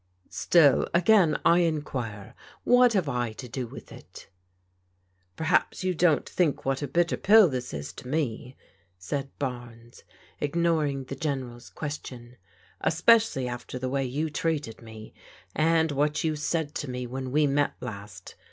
" Still, again I enquire, what have I to do with it? "" Perhaps you don't think what a bitter pill this is to me," said Barnes, ignoring the General's question, " es pecially after the way you treated me, and what you said to me when we met last.